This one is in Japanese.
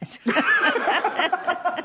ハハハハ。